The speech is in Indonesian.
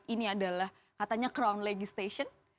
ini adalah katanya crown legislation